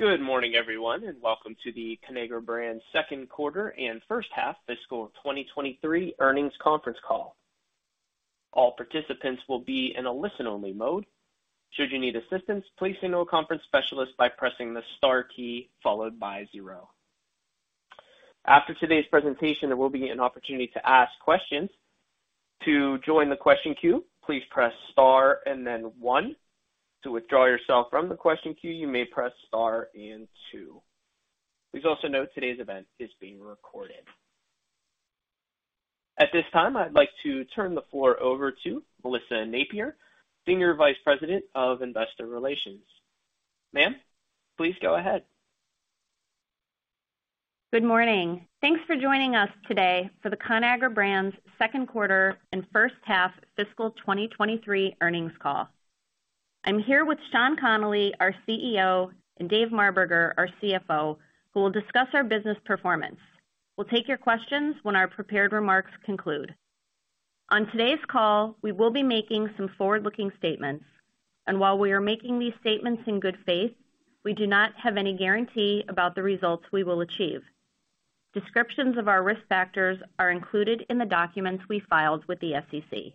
Good morning, everyone, welcome to the Conagra Brands second quarter and First Half Fiscal of 2023 Earnings Conference Call. All participants will be in a listen-only mode. Should you need assistance, please signal a conference specialist by pressing the star key followed by zero. After today's presentation, there will be an opportunity to ask questions. To join the question queue, please press star and then one. To withdraw yourself from the question queue, you may press star and two. Please also note today's event is being recorded. At this time, I'd like to turn the floor over to Melissa Napier, Senior Vice President of Investor Relations. Ma'am, please go ahead. Good morning. Thanks for joining us today for the Conagra Brands Second Quarter and First Half Fiscal 2023 Earnings Call. I'm here with Sean Connolly, our CEO, and Dave Marberger, our CFO, who will discuss our business performance. We'll take your questions when our prepared remarks conclude. On today's call, we will be making some forward-looking statements. While we are making these statements in good faith, we do not have any guarantee about the results we will achieve. Descriptions of our risk factors are included in the documents we filed with the SEC.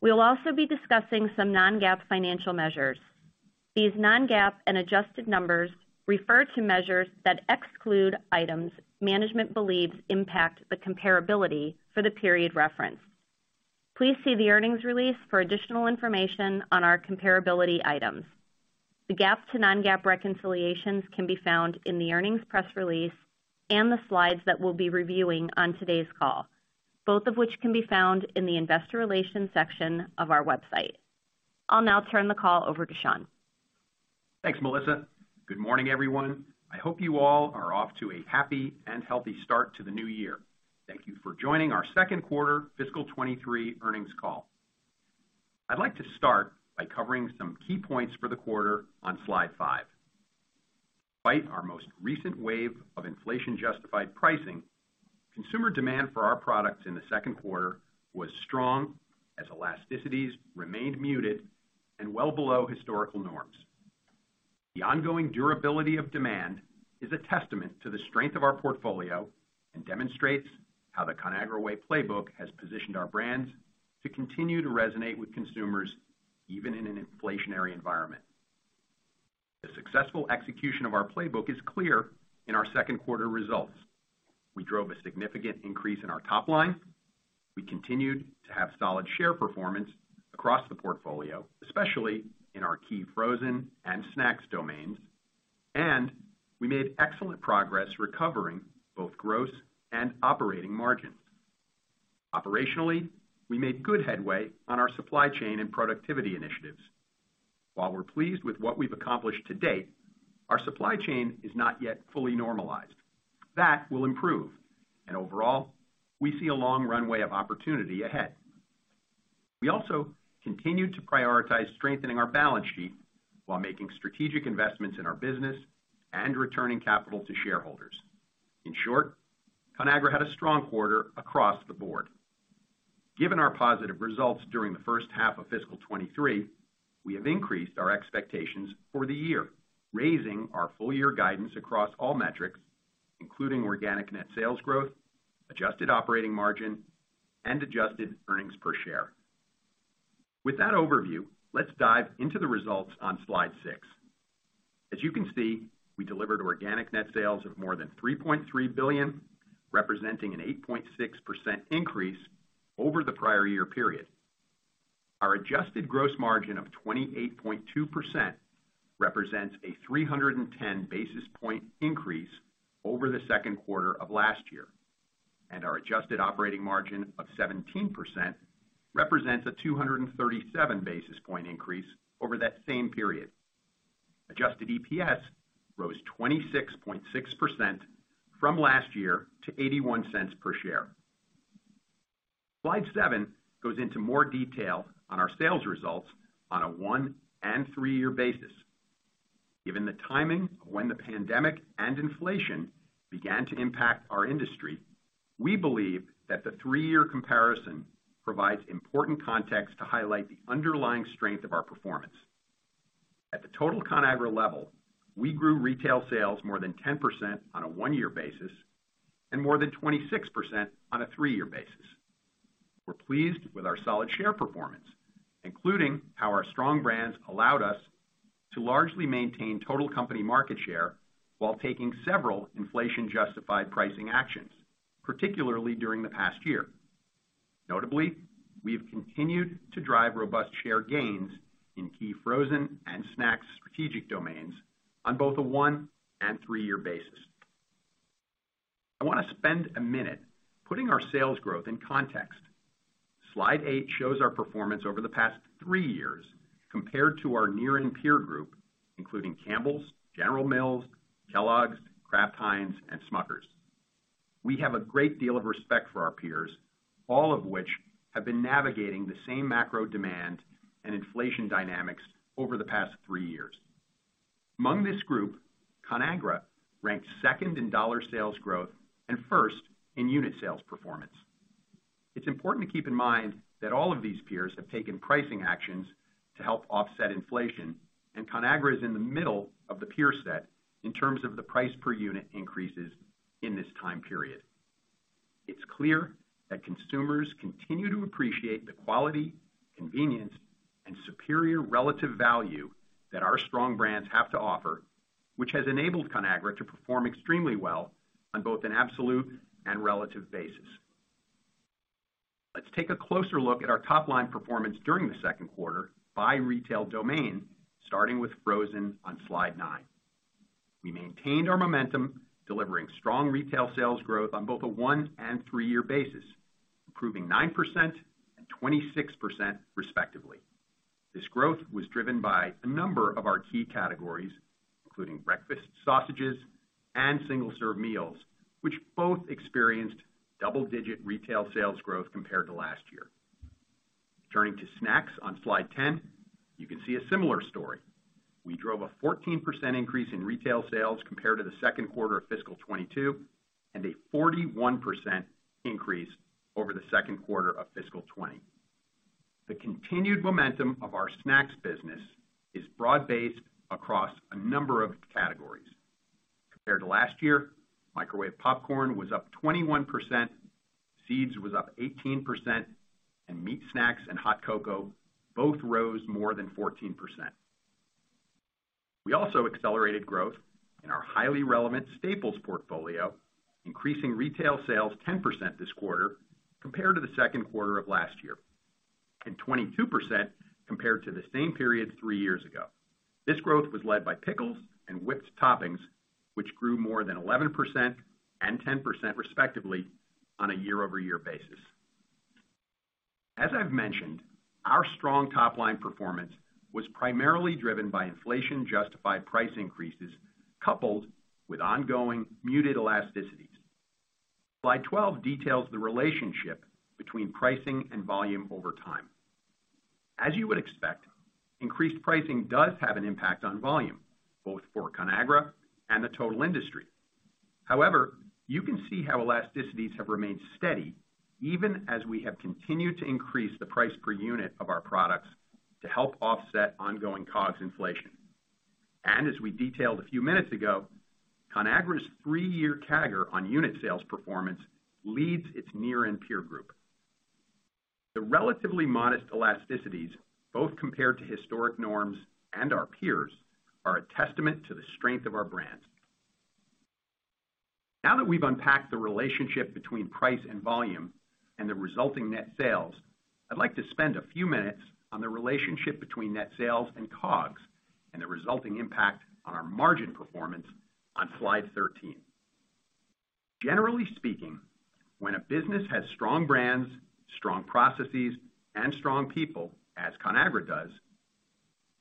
We will also be discussing some non-GAAP financial measures. These non-GAAP and adjusted numbers refer to measures that exclude items management believes impact the comparability for the period referenced. Please see the earnings release for additional information on our comparability items. The GAAP to non-GAAP reconciliations can be found in the earnings press release and the slides that we'll be reviewing on today's call, both of which can be found in the investor relations section of our website. I'll now turn the call over to Sean. Thanks, Melissa. Good morning, everyone. I hope you all are off to a happy and healthy start to the new year. Thank you for joining our Second Quarter Fiscal 2023 Earnings Call. I'd like to start by covering some key points for the quarter on slide five. Despite our most recent wave of inflation-justified pricing, consumer demand for our products in the second quarter was strong as elasticities remained muted and well below historical norms. The ongoing durability of demand is a testament to the strength of our portfolio and demonstrates how the Conagra Way playbook has positioned our brands to continue to resonate with consumers, even in an inflationary environment. The successful execution of our playbook is clear in our second quarter results. We drove a significant increase in our top line. We continued to have solid share performance across the portfolio, especially in our key frozen and snacks domains, and we made excellent progress recovering both gross and operating margins. Operationally, we made good headway on our supply chain and productivity initiatives. While we're pleased with what we've accomplished to date, our supply chain is not yet fully normalized. That will improve, and overall, we see a long runway of opportunity ahead. We also continued to prioritize strengthening our balance sheet while making strategic investments in our business and returning capital to shareholders. In short, Conagra had a strong quarter across the board. Given our positive results during the first half of Fiscal 2023, we have increased our expectations for the year, raising our full year guidance across all metrics, including organic net sales growth, adjusted operating margin, and adjusted earnings per share. With that overview, let's dive into the results on slide six. As you can see, we delivered organic net sales of more than $3.3 billion, representing an 8.6% increase over the prior year period. Our adjusted gross margin of 28.2% represents a 310 basis point increase over the second quarter of last year, and our adjusted operating margin of 17% represents a 237 basis point increase over that same period. Adjusted EPS rose 26.6% from last year to $0.81 per share. Slide seven goes into more detail on our sales results on a one-year and three-year basis. Given the timing of when the pandemic and inflation began to impact our industry, we believe that the three-year comparison provides important context to highlight the underlying strength of our performance. At the total Conagra level, we grew retail sales more than 10% on a one-year basis and more than 26% on a three-year basis. We're pleased with our solid share performance, including how our strong brands allowed us to largely maintain total company market share while taking several inflation justified pricing actions particularly during the past year. Notably, we have continued to drive robust share gains in key frozen and snacks strategic domains on both a one-year and three-year basis. I want to spend a minute putting our sales growth in context. Slide eight shows our performance over the past three years compared to our near and peer group, including Campbell's, General Mills, Kellogg's, Kraft Heinz, and Smucker's. We have a great deal of respect for our peers, all of which have been navigating the same macro demand and inflation dynamics over the past three years. Among this group, Conagra ranked second in dollar sales growth and first in unit sales performance. It's important to keep in mind that all of these peers have taken pricing actions to help offset inflation and Conagra is in the middle of the peer set in terms of the price per unit increases in this time period. It's clear that consumers continue to appreciate the quality, convenience, and superior relative value that our strong brands have to offer, which has enabled Conagra to perform extremely well on both an absolute and relative basis. Let's take a closer look at our top-line performance during the second quarter by retail domain starting with frozen on slide nine. We maintained our momentum, delivering strong retail sales growth on both a one-year and three-year basis, improving 9% and 26% respectively. This growth was driven by a number of our key categories, including breakfast sausages and single-serve meals, which both experienced double-digit retail sales growth compared to last year. Turning to snacks on slide 10, you can see a similar story. We drove a 14% increase in retail sales compared to the second quarter of Fiscal 2022, and a 41% increase over the second quarter of Fiscal 2020. The continued momentum of our snacks business is broad-based across a number of categories. Compared to last year, microwave popcorn was up 21%, seeds was up 18%, and meat snacks and hot cocoa both rose more than 14%. We also accelerated growth in our highly relevant staples portfolio increasing retail sales 10% this quarter compared to the second quarter of last year and 22% compared to the same period three years ago. This growth was led by pickles and whipped toppings, which grew more than 11% and 10% respectively on a year-over-year basis. As I've mentioned, our strong top-line performance was primarily driven by inflation-justified price increases, coupled with ongoing muted elasticities. Slide 12 details the relationship between pricing and volume over time. As you would expect, increased pricing does have an impact on volume, both for Conagra and the total industry. However, you can see how elasticities have remained steady even as we have continued to increase the price per unit of our products to help offset ongoing COGS inflation. As we detailed a few minutes ago, Conagra's three-year CAGR on unit sales performance leads its near and peer group. The relatively modest elasticities, both compared to historic norms and our peers are a testament to the strength of our brand. Now that we've unpacked the relationship between price and volume and the resulting net sales, I'd like to spend a few minutes on the relationship between net sales and COGS and the resulting impact on our margin performance on slide 13. Generally speaking, when a business has strong brands, strong processes, and strong people as Conagra does,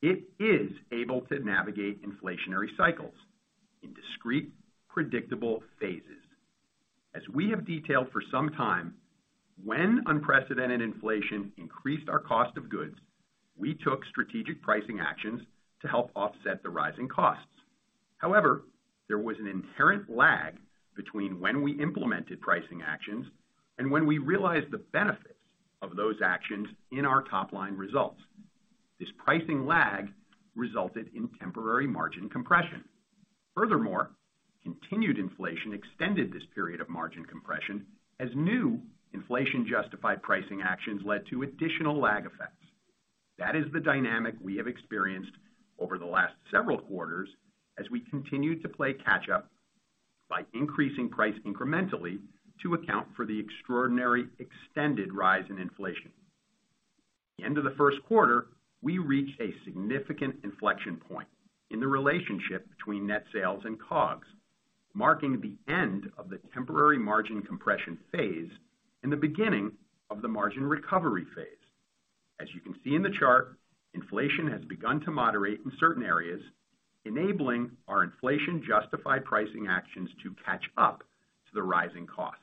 it is able to navigate inflationary cycles in discrete, predictable phases. As we have detailed for some time, when unprecedented inflation increased our cost of goods, we took strategic pricing actions to help offset the rising costs. However, there was an inherent lag between when we implemented pricing actions and when we realized the benefits of those actions in our top-line results. This pricing lag resulted in temporary margin compression. Furthermore, continued inflation extended this period of margin compression as new inflation-justified pricing actions led to additional lag effects. That is the dynamic we have experienced over the last several quarters as we continued to play catch up by increasing price incrementally to account for the extraordinary extended rise in inflation. End of the first quarter, we reached a significant inflection point in the relationship between net sales and COGS, marking the end of the temporary margin compression phase and the beginning of the margin recovery phase. As you can see in the chart, inflation has begun to moderate in certain areas, enabling our inflation-justified pricing actions to catch up to the rising costs.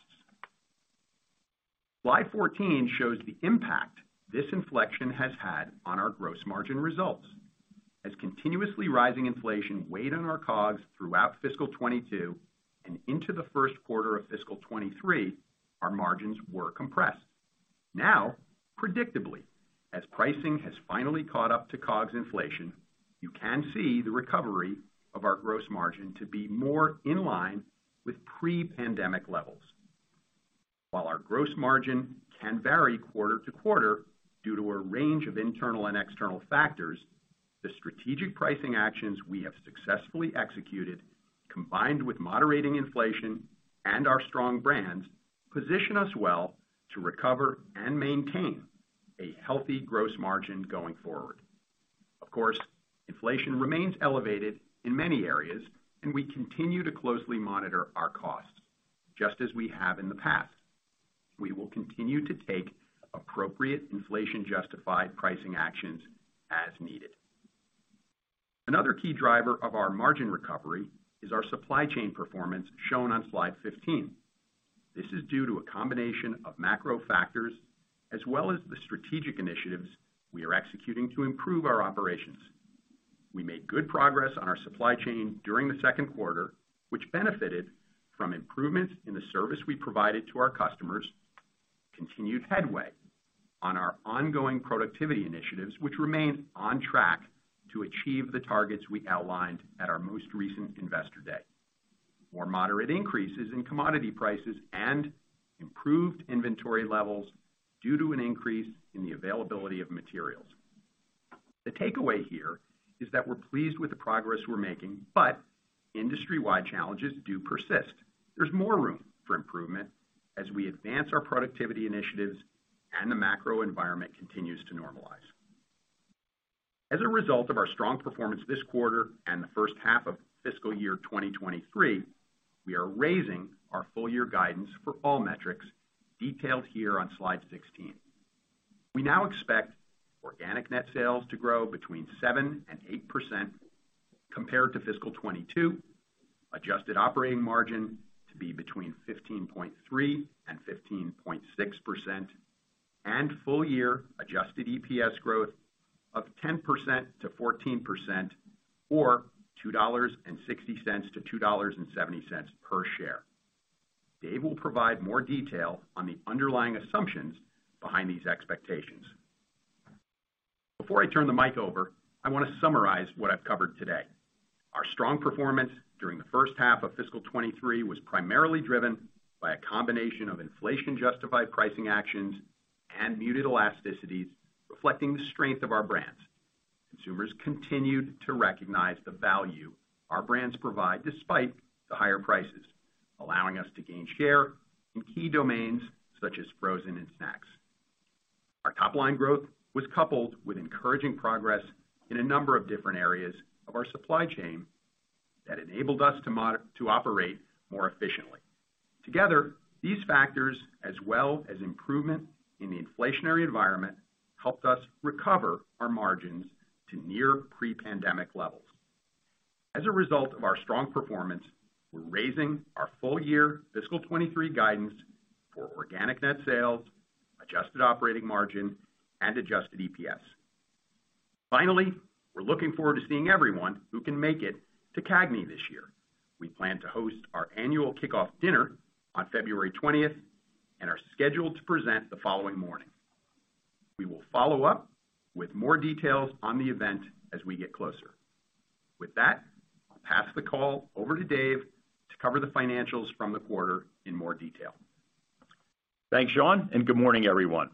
Slide 14 shows the impact this inflection has had on our gross margin results. As continuously rising inflation weighed on our COGS throughout Fiscal 2022 and into the first quarter of Fiscal 2023, our margins were compressed. Now predictably, as pricing has finally caught up to COGS inflation, you can see the recovery of our gross margin to be more in line with pre-pandemic levels. While our gross margin can vary quarter to quarter due to a range of internal and external factors, the strategic pricing actions we have successfully executed, combined with moderating inflation and our strong brands, position us well to recover and maintain a healthy gross margin going forward. Of course, inflation remains elevated in many areas and we continue to closely monitor our costs, just as we have in the past. We will continue to take appropriate inflation justified pricing actions as needed. Another key driver of our margin recovery is our supply chain performance shown on slide 15. This is due to a combination of macro factors as well as the strategic initiatives we are executing to improve our operations. We made good progress on our supply chain during the second quarter, which benefited from improvements in the service we provided to our customers, continued headway on our ongoing productivity initiatives, which remain on track to achieve the targets we outlined at our most recent Investor Day, more moderate increases in commodity prices and improved inventory levels due to an increase in the availability of materials. The takeaway here is that we're pleased with the progress we're making, but industry-wide challenges do persist. There's more room for improvement as we advance our productivity initiatives and the macro environment continues to normalize. As a result of our strong performance this quarter and the first half of Fiscal Year 2023, we are raising our full year guidance for all metrics detailed here on slide 16. We now expect organic net sales to grow between 7% and 8% compared to Fiscal 2022. Adjusted operating margin to be between 15.3% and 15.6%, and full-year adjusted EPS growth of 10% to 14% or $2.60 to $2.70 per share. Dave will provide more detail on the underlying assumptions behind these expectations. Before I turn the mic over, I want to summarize what I've covered today. Our strong performance during the first half of Fiscal 2023 was primarily driven by a combination of inflation-justified pricing actions and muted elasticities reflecting the strength of our brands. Consumers continued to recognize the value our brands provide despite the higher prices allowing us to gain share in key domains such as frozen and snacks. Our top line growth was coupled with encouraging progress in a number of different areas of our supply chain that enabled us to operate more efficiently. Together, these factors, as well as improvement in the inflationary environment helped us recover our margins to near pre-pandemic levels. As a result of our strong performance, we're raising our full-year Fiscal 2023 guidance for organic net sales, adjusted operating margin and adjusted EPS. We're looking forward to seeing everyone who can make it to CAGNY this year. We plan to host our annual kickoff dinner on February 20th and are scheduled to present the following morning. We will follow up with more details on the event as we get closer. With that, I'll pass the call over to Dave to cover the financials from the quarter in more detail. Thanks, Sean, and good morning, everyone.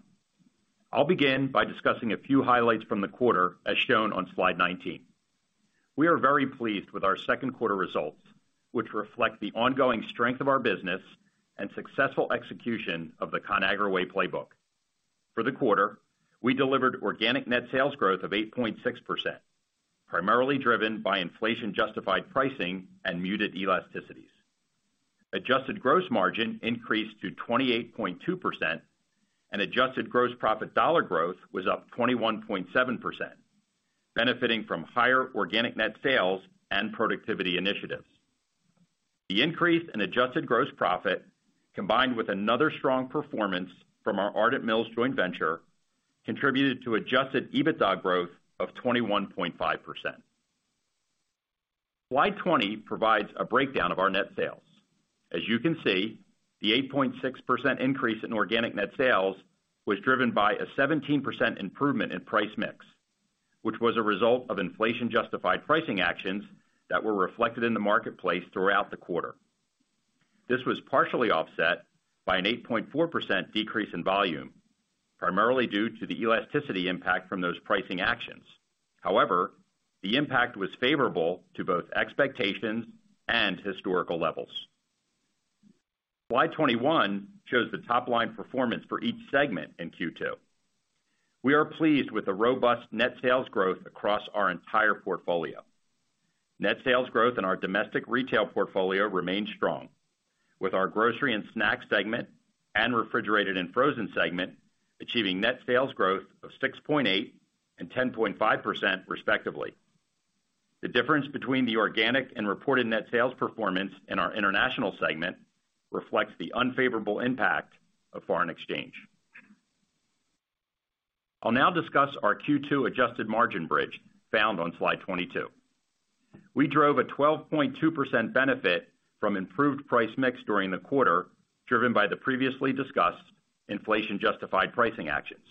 I'll begin by discussing a few highlights from the quarter as shown on slide 19. We are very pleased with our second quarter results, which reflect the ongoing strength of our business and successful execution of the Conagra Way playbook. For the quarter, we delivered organic net sales growth of 8.6%, primarily driven by inflation-justified pricing and muted elasticities. Adjusted gross margin increased to 28.2% and adjusted gross profit dollar growth was up 21.7% benefiting from higher organic net sales and productivity initiatives. The increase in adjusted gross profit combined with another strong performance from our Ardent Mills joint venture contributed to adjusted EBITDA growth of 21.5%. Slide 20 provides a breakdown of our net sales. As you can see, the 8.6% increase in organic net sales was driven by a 17% improvement in price mix, which was a result of inflation-justified pricing actions that were reflected in the marketplace throughout the quarter. This was partially offset by an 8.4% decrease in volume, primarily due to the elasticity impact from those pricing actions. The impact was favorable to both expectations and historical levels. Slide 21 shows the top line performance for each segment in Q2. We are pleased with the robust net sales growth across our entire portfolio. Net sales growth in our domestic retail portfolio remained strong with our grocery and snack segment and refrigerated and frozen segment achieving net sales growth of 6.8% and 10.5% respectively. The difference between the organic and reported net sales performance in our international segment reflects the unfavorable impact of foreign exchange. I'll now discuss our Q2 adjusted margin bridge found on slide 22. We drove a 12.2% benefit from improved price mix during the quarter driven by the previously discussed inflation-justified pricing actions.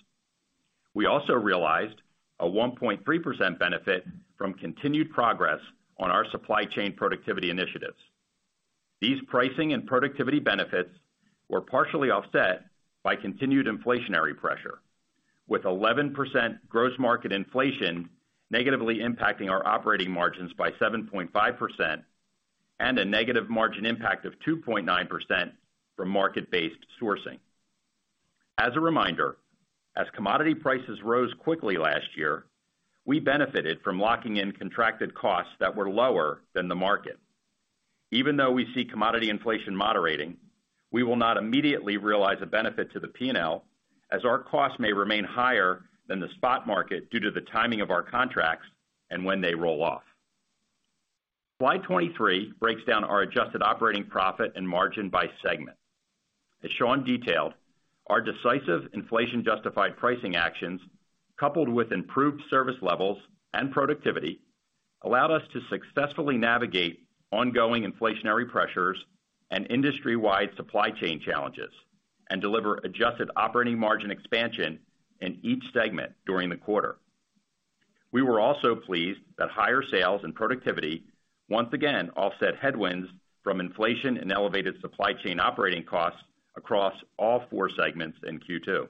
We also realized a 1.3% benefit from continued progress on our supply chain productivity initiatives. These pricing and productivity benefits were partially offset by continued inflationary pressure, with 11% gross market inflation negatively impacting our operating margins by 7.5% and a negative margin impact of 2.9% from market-based sourcing. As a reminder, as commodity prices rose quickly last year, we benefited from locking in contracted costs that were lower than the market. Even though we see commodity inflation moderating, we will not immediately realize a benefit to the P&L as our costs may remain higher than the spot market due to the timing of our contracts and when they roll off. Slide 23 breaks down our adjusted operating profit and margin by segment. As Sean detailed, our decisive inflation-justified pricing actions coupled with improved service levels and productivity, allowed us to successfully navigate ongoing inflationary pressures and industry-wide supply chain challenges and deliver adjusted operating margin expansion in each segment during the quarter. We were also pleased that higher sales and productivity once again offset headwinds from inflation and elevated supply chain operating costs across all four segments in Q2.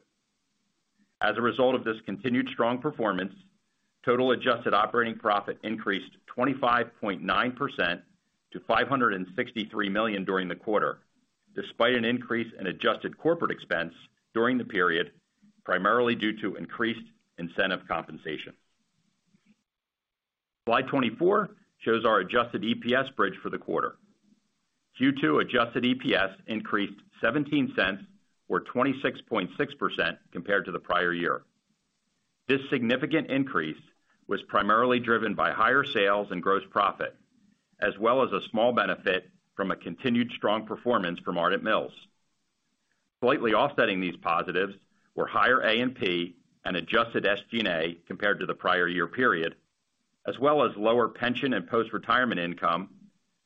As a result of this continued strong performance, total adjusted operating profit increased 25.9% to $563 million during the quarter despite an increase in adjusted corporate expense during the period primarily due to increased incentive compensation. Slide 24 shows our adjusted EPS bridge for the quarter. Q2 adjusted EPS increased $0.17 or 26.6% compared to the prior year. This significant increase was primarily driven by higher sales and gross profit as well as a small benefit from a continued strong performance from Ardent Mills. Slightly offsetting these positives were higher A&P and adjusted SG&A compared to the prior year period, as well as lower pension and post-retirement income,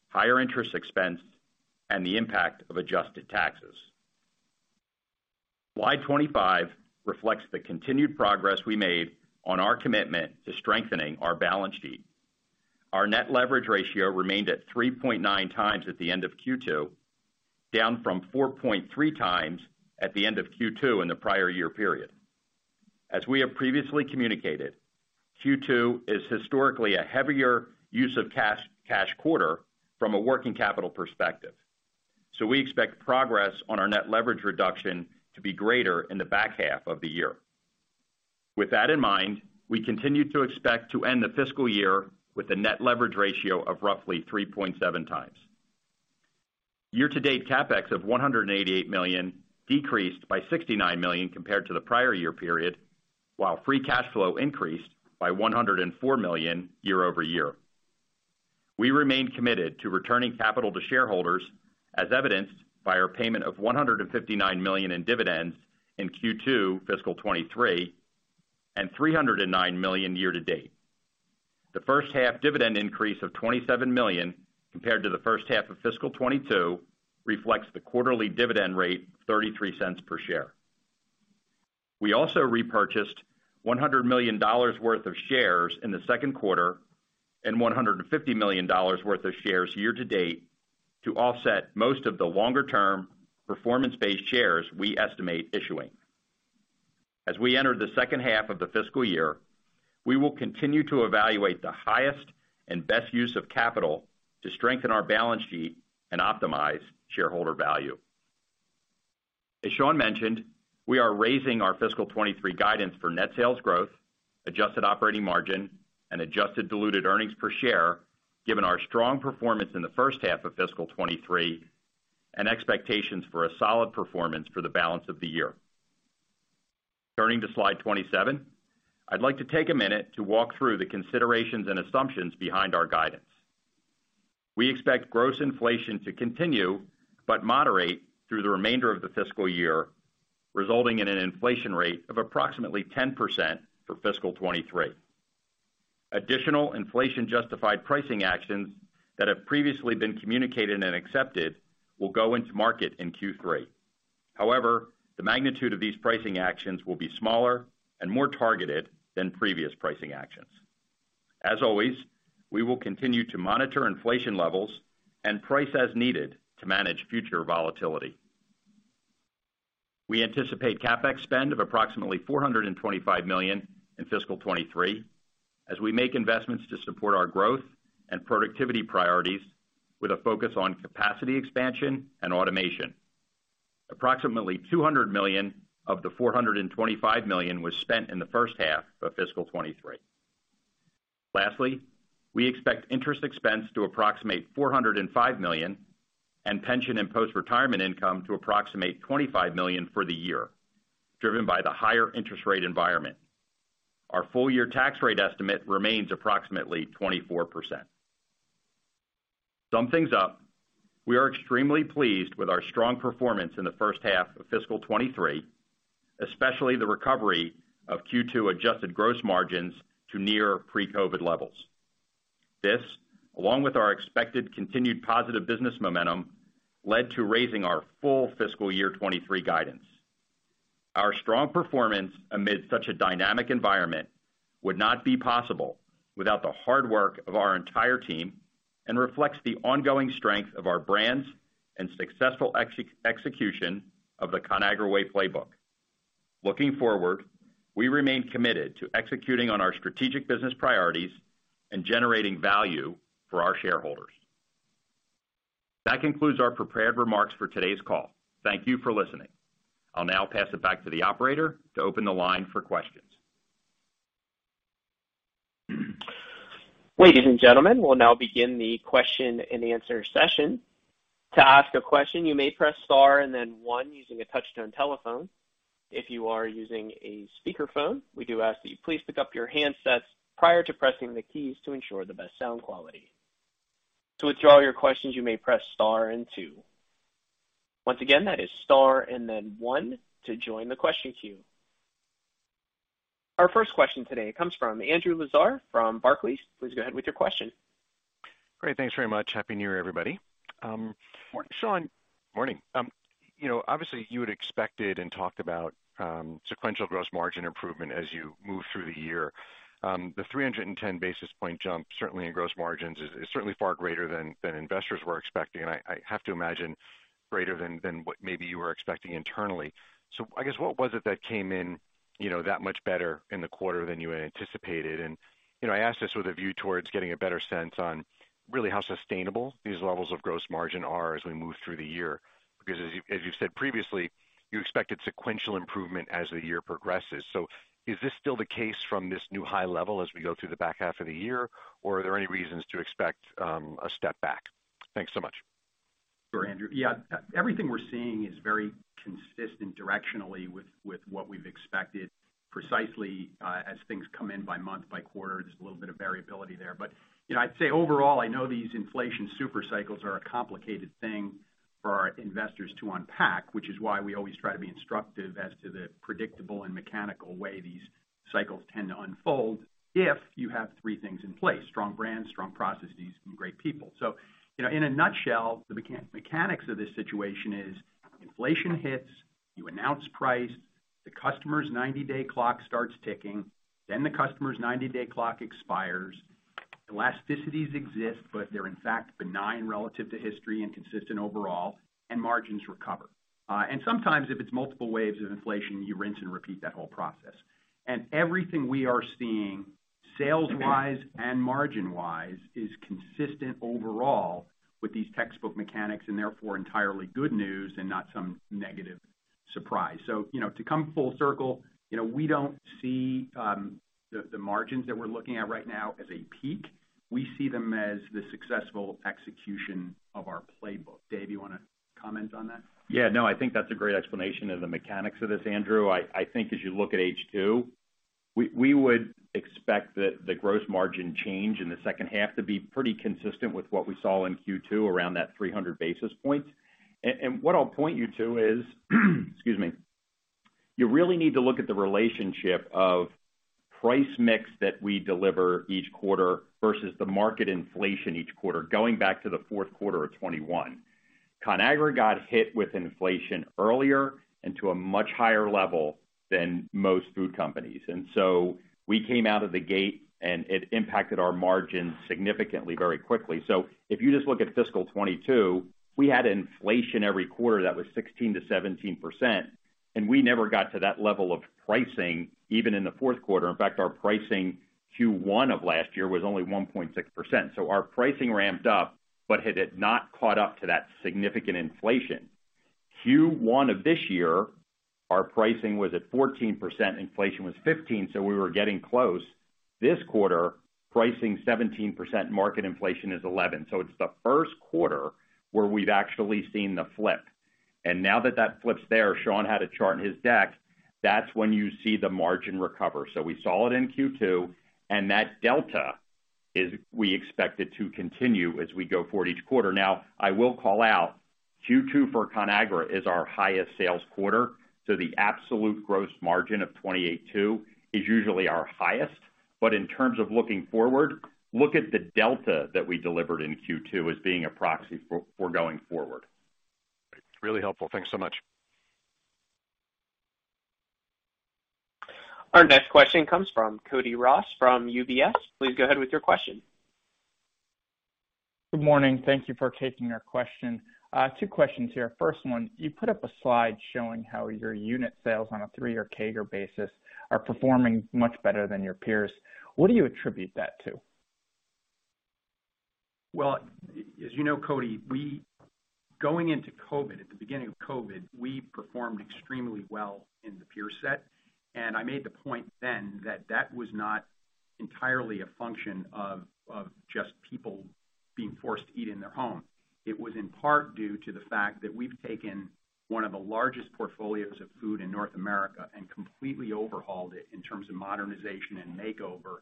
higher interest expense, and the impact of adjusted taxes. Slide 25 reflects the continued progress we made on our commitment to strengthening our balance sheet. Our net leverage ratio remained at 3.9x at the end of Q2, down from 4.3x at the end of Q2 in the prior year period. As we have previously communicated, Q2 is historically a heavier use of cash quarter from a working capital perspective, so we expect progress on our net leverage reduction to be greater in the back half of the year. With that in mind, we continue to expect to end the fiscal year with a net leverage ratio of roughly 3.7x. Year-to-date CapEx of $188 million decreased by $69 million compared to the prior year period, while free cash flow increased by $104 million year-over-year. We remain committed to returning capital to shareholders as evidenced by our payment of $159 million in dividends in Q2 Fiscal 2023 and $309 million year-to-date. The first half dividend increase of $27 million compared to the first half of Fiscal 2022 reflects the quarterly dividend rate $0.33 per share. We also repurchased $100 million worth of shares in the second quarter and $150 million worth of shares year-to-date to offset most of the longer-term performance-based shares we estimate issuing. As we enter the second half of the fiscal year, we will continue to evaluate the highest and best use of capital to strengthen our balance sheet and optimize shareholder value. As Sean mentioned, we are raising our Fiscal 2023 guidance for net sales growth, adjusted operating margin and adjusted diluted earnings per share, given our strong performance in the first half of Fiscal 2023 and expectations for a solid performance for the balance of the year. Turning to slide 27, I'd like to take a minute to walk through the considerations and assumptions behind our guidance. We expect gross inflation to continue but moderate through the remainder of the fiscal year, resulting in an inflation rate of approximately 10% for Fiscal 2023. Additional inflation-justified pricing actions that have previously been communicated and accepted will go into market in Q3. The magnitude of these pricing actions will be smaller and more targeted than previous pricing actions. As always, we will continue to monitor inflation levels and price as needed to manage future volatility. We anticipate CapEx spend of approximately $425 million in fiscal 2023 as we make investments to support our growth and productivity priorities with a focus on capacity expansion and automation. Approximately $200 million of the $425 million was spent in the first half of Fiscal 2023. We expect interest expense to approximate $405 million and pension and post-retirement income to approximate $25 million for the year driven by the higher interest rate environment. Our full-year tax rate estimate remains approximately 24%. To sum things up, we are extremely pleased with our strong performance in the first half of Fiscal 2023, especially the recovery of Q2 adjusted gross margins to near pre-COVID levels. This, along with our expected continued positive business momentum, led to raising our full Fiscal Year 2023 guidance. Our strong performance amid such a dynamic environment would not be possible without the hard work of our entire team and reflects the ongoing strength of our brands and successful execution of the Conagra Way playbook. Looking forward, we remain committed to executing on our strategic business priorities and generating value for our shareholders. That concludes our prepared remarks for today's call. Thank you for listening. I'll now pass it back to the operator to open the line for questions. Ladies and gentlemen, we'll now begin the question-and-answer session. To ask a question, you may press star and then one using a touchtone telephone. If you are using a speakerphone, we do ask that you please pick up your handsets prior to pressing the keys to ensure the best sound quality. To withdraw your questions, you may press star and two. Once again, that is star and then one to join the question queue. Our first question today comes from Andrew Lazar from Barclays. Please go ahead with your question. Great. Thanks very much. Happy New Year, everybody. Good morning. Sean, you know, obviously you had expected and talked about sequential gross margin improvement as you move through the year. The 310 basis point jump, certainly in gross margins is certainly far greater than investors were expecting, and I have to imagine greater than what maybe you were expecting internally. What was it that came in, you know, that much better in the quarter than you had anticipated? You know, I ask this with a view towards getting a better sense on really how sustainable these levels of gross margin are as we move through the year. As you said previously, you expected sequential improvement as the year progresses. Is this still the case from this new high level as we go through the back half of the year, or are there any reasons to expect a step back? Thanks so much. Sure, Andrew. Everything we're seeing is very consistent directionally with what we've expected precisely, as things come in by month, by quarter, just a little bit of variability there. I'd say overall, I know these inflation super cycles are a complicated thing for our investors to unpack, which is why we always try to be instructive as to the predictable and mechanical way these cycles tend to unfold if you have three things in place: strong brands, strong processes, and great people. In a nutshell, the mechanics of this situation is inflation hits, you announce price, the customer's 90-day clock starts ticking, the customer's 90-day clock expires. Elasticities exist, they're in fact benign relative to history and consistent overall, and margins recover. Sometimes if it's multiple waves of inflation, you rinse and repeat that whole process. Everything we are seeing sales wise and margin wise is consistent overall with these textbook mechanics and therefore entirely good news and not some negative surprise. To come full circle, you know, we don't see the margins that we're looking at right now as a peak. We see them as the successful execution of our playbook. Dave, you want to comment on that? Yeah, no, I think that's a great explanation of the mechanics of this, Andrew. I think as you look at H2, we would expect that the gross margin change in the second half to be pretty consistent with what we saw in Q2 around that 300 basis points. What I'll point you to is, excuse me, you really need to look at the relationship of price mix that we deliver each quarter versus the market inflation each quarter going back to the fourth quarter of 2021, Conagra got hit with inflation earlier and to a much higher level than most food companies. We came out of the gate and it impacted our margins significantly very quickly. If you just look at Fiscal 2022, we had inflation every quarter that was 16% to 17%, and we never got to that level of pricing even in the fourth quarter. In fact, our pricing Q1 of last year was only 1.6%. Our pricing ramped up but had not caught up to that significant inflation. Q1 of this year, our pricing was at 14%, inflation was 15%, we were getting close. This quarter, pricing 17%, market inflation is 11%. It's the first quarter where we've actually seen the flip. Now that that flip's there, Sean had a chart in his deck, that's when you see the margin recover. We saw it in Q2 and that delta is we expect it to continue as we go forward each quarter. I will call out Q2 for Conagra is our highest sales quarter, so the absolute gross margin of 28.2% is usually our highest. In terms of looking forward, look at the delta that we delivered in Q2 as being a proxy for going forward. Great. That's really helpful. Thanks so much. Our next question comes from Cody Ross from UBS. Please go ahead with your question. Good morning. Thank Thank you for taking our question. Two questions here. First one, you put up a slide showing how your unit sales on a three-year CAGR basis are performing much better than your peers. What do you attribute that to? Well, as you know, Cody, we going into COVID, at the beginning of COVID, we performed extremely well in the peer set. I made the point then that that was not entirely a function of just people being forced to eat in their home. It was in part due to the fact that we've taken one of the largest portfolios of food in North America and completely overhauled it in terms of modernization and makeover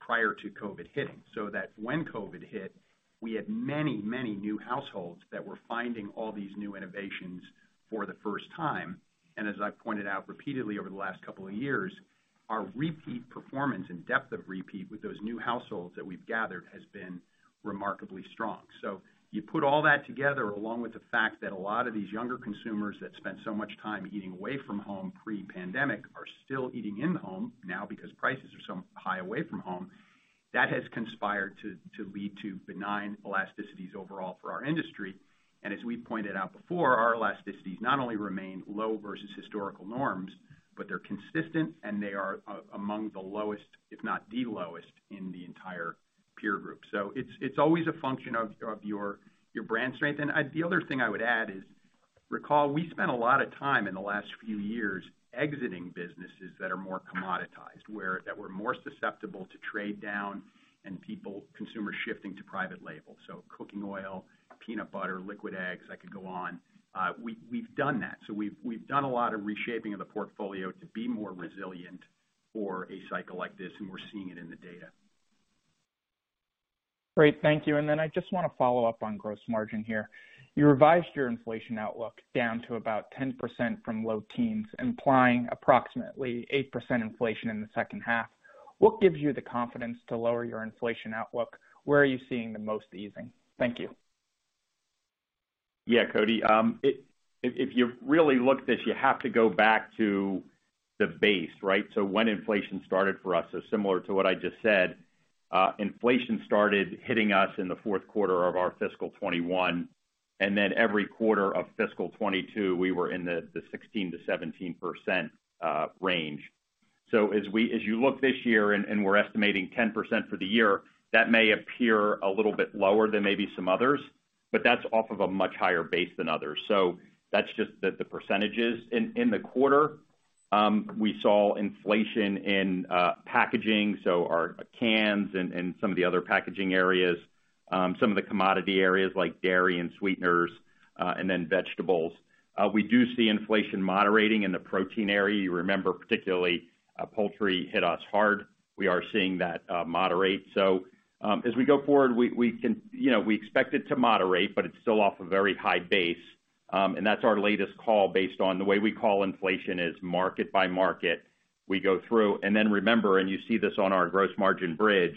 prior to COVID hitting. That when COVID hit, we had many, many new households that were finding all these new innovations for the first time. As I've pointed out repeatedly over the last couple of years, our repeat performance and depth of repeat with those new households that we've gathered has been remarkably strong. You put all that together, along with the fact that a lot of these younger consumers that spent so much time eating away from home pre-pandemic are still eating in the home now because prices are so high away from home, that has conspired to lead to benign elasticities overall for our industry. As we pointed out before, our elasticities not only remain low versus historical norms, but they're consistent and they are among the lowest, if not the lowest in the entire peer group. It's always a function of your brand strength. The other thing I would add is recall, we spent a lot of time in the last few years exiting businesses that are more commoditized that were more susceptible to trade down and consumer shifting to private label so cooking oil, peanut butter, liquid eggs, I could go on. We've done that. We've done a lot of reshaping of the portfolio to be more resilient for a cycle like this and we're seeing it in the data. Great. Thank you. I just want to follow up on gross margin here. You revised your inflation outlook down to about 10% from low teens, implying approximately 8% inflation in the second half. What gives you the confidence to lower your inflation outlook? Where are you seeing the most easing? Thank you. Yeah, Cody. If you really look this, you have to go back to the base, right? When inflation started for us and similar to what I just said, inflation started hitting us in the fourth quarter of our Fiscal 2021, and then every quarter of Fiscal 2022, we were in the 16% to 17% range. As you look this year and we're estimating 10% for the year, that may appear a little bit lower than maybe some others, but that's off of a much higher base than others. That's just the percentages. In the quarter, we saw inflation in packaging so our cans and some of the other packaging areas, some of the commodity areas like dairy and sweeteners, and then vegetables. We do see inflation moderating in the protein area. You remember particularly, poultry hit us hard. We are seeing that, moderate. As we go forward, you know, we expect it to moderate, but it's still off a very high base. That's our latest call based on the way we call inflation is market by market, we go through, and then remember, and you see this on our gross margin bridge,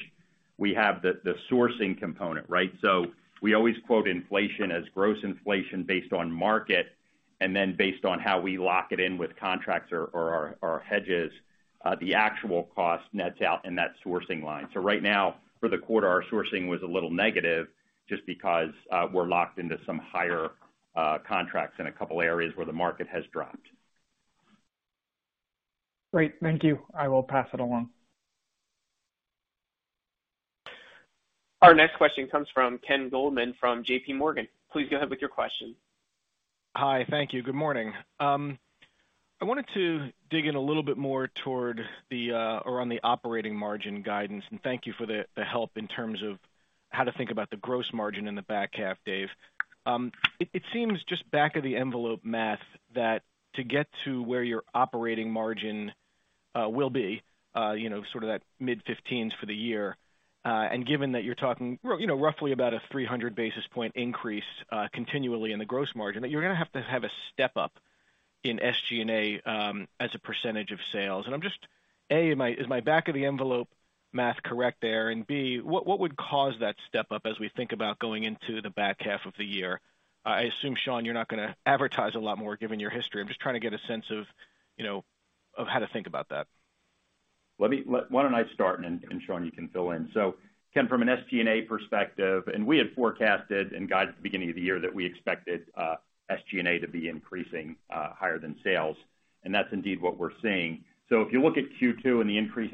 we have the sourcing component, right? We always quote inflation as gross inflation based on market and then based on how we lock it in with contracts or our hedges, the actual cost nets out in that sourcing line. Right now for the quarter, our sourcing was a little negative just because we're locked into some higher contracts in a couple areas where the market has dropped. Great. Thank you. I will pass it along. Our next question comes from Ken Goldman from JP Morgan. Please go ahead with your question. Hi. Thank you. Good morning. I wanted to dig in a little bit more toward the, around the operating margin guidance, and thank you for the help in terms of how to think about the gross margin in the back half, Dave. It seems just back of the envelope math that to get to where your operating margin will be, you know, sort of that mid-15s for the year, and given that you're talking you know, roughly about a 300 basis point increase continually in the gross margin, that you're going to have to have a step up in SG&A as a percentage of sales. A, is my back of the envelope math correct there? B, what would cause that step up as we think about going into the back half of the year? I assume, Sean, you're not going to advertise a lot more given your history. I'm just trying to get a sense of, you know, of how to think about that. Why don't I start and Sean you can fill in. Ken, from an SG&A perspective, we had forecasted and got at the beginning of the year that we expected SG&A to be increasing higher than sales, and that's indeed what we're seeing. If you look at Q2 and the increase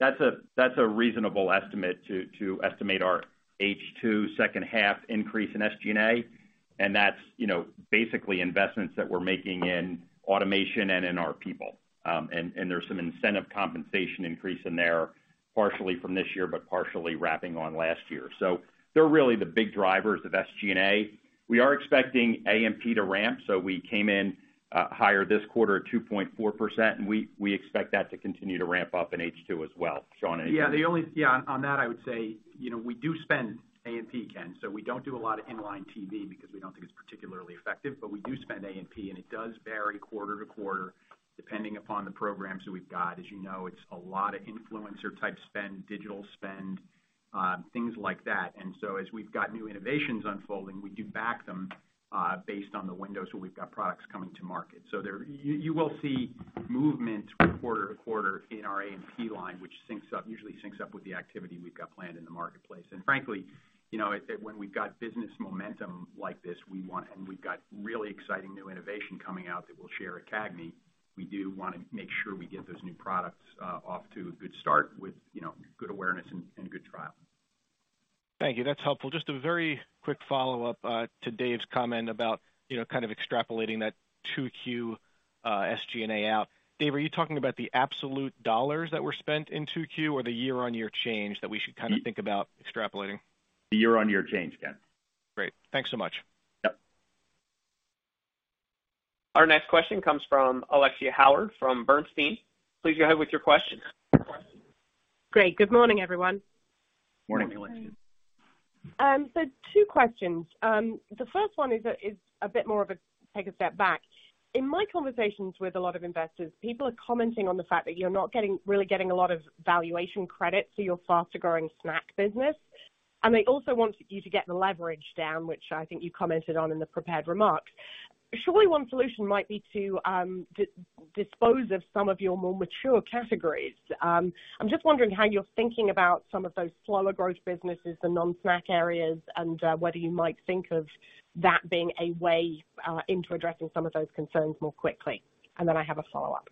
in SG&A, that's a reasonable estimate to estimate our H2 second half increase in SG&A. That's, you know, basically investments that we're making in automation and in our people. There's some incentive compensation increase in there, partially from this year, but partially wrapping on last year so they're really the big drivers of SG&A. We are expecting A&P to ramp, so we came in, higher this quarter at 2.4%, and we expect that to continue to ramp up in H2 as well. Sean, anything? Yeah. The only thing on that, I would say, you know, we do spend A&P, Ken. We don't do a lot of inline TV because we don't think it's particularly effective, but we do spend A&P, and it does vary quarter to quarter depending upon the programs that we've got. As you know, it's a lot of influencer type spend, digital spend, things like that. As we've got new innovations unfolding, we do back them, based on the windows where we've got products coming to market. You will see movements from quarter to quarter in our A&P line, which usually syncs up with the activity we've got planned in the marketplace. Frankly, you know, when we've got business momentum like this, and we've got really exciting new innovation coming out that we'll share at CAGNY, we do want to make sure we get those new products, off to a good start with, you know, good awareness and good trial. Thank you. That's helpful. Just a very quick follow-up to Dave's comment about, you know, kind of extrapolating that 2Q SG&A out. Dave, are you talking about the absolute dollars that were spent in 2Q or the year-over-year change that we should kind of think about extrapolating? The year-on-year change, Ken. Great. Thanks so much. Yep. Our next question comes from Alexia Howard from Bernstein. Please go ahead with your question. Great. Good morning, everyone. Good morning, Alexia. Two questions. The first one is a bit more of a take a step back. In my conversations with a lot of investors, people are commenting on the fact that you're not really getting a lot of valuation credit for your faster growing snack business. They also want you to get the leverage down, which I think you commented on in the prepared remarks. Surely one solution might be to dispose of some of your more mature categories. I'm just wondering how you're thinking about some of those slower growth businesses, the non-snack areas, and whether you might think of that being a way into addressing some of those concerns more quickly. I have a follow-up.